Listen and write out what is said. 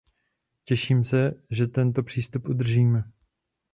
Těším se, že tento přístup udržíme.